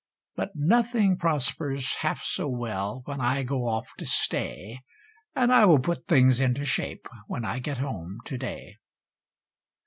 But nothing prospers half so well when I go off to stay, And I will put things into shape, when I get home to day.